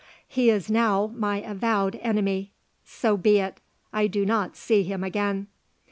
He is now my avowed enemy. So be it. I do not see him again.